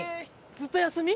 ずっと休み？